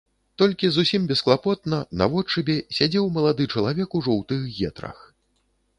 Толькі зусім бесклапотна, наводшыбе, сядзеў малады чалавек у жоўтых гетрах.